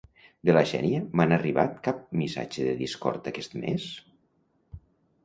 De la Xènia m'han arribat cap missatge de Discord aquest mes?